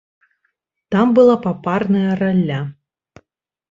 Там была папарная ралля.